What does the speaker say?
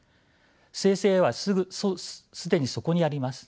生成ＡＩは既にそこにあります。